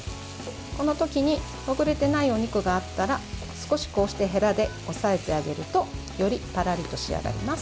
この時にほぐれていないお肉があったら少し、へらで押さえてあげるとよりパラリと仕上がります。